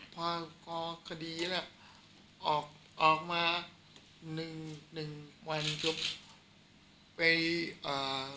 พอก็คดีแหละออกออกมาหนึ่งหนึ่งวันก็ไปเอ่อ